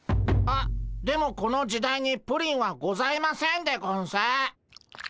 あっでもこの時代にプリンはございませんでゴンス。